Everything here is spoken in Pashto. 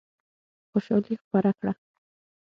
خوشالي خپره کړه.